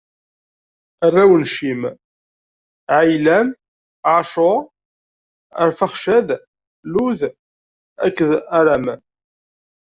Arraw n Cim: Ɛiylam, Acur, Arfaxcad, Lud akked Aram.